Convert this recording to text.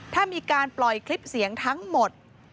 ถ้ามีการปล่อยคลิปเสียงทั้งหมด